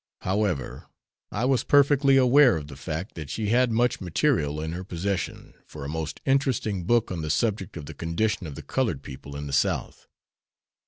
However, I was perfectly aware of the fact that she had much material in her possession for a most interesting book on the subject of the condition of the colored people in the South.